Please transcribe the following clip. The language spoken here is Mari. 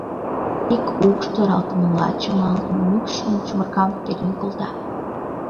Ик укш, торалтымыла чымалтын, мӱкш чумыркам перен колта.